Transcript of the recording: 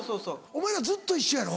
お前らずっと一緒やろ？